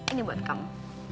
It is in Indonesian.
ini buat kamu